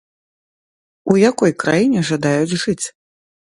У якой краіне жадаюць жыць?